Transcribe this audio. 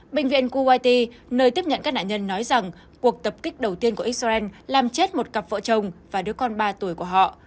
bệnh viện kuwaity nơi tiếp nhận các nạn nhân nói rằng cuộc tập kích đầu tiên của israel làm chết một cặp vợ chồng và đứa con ba tuổi của họ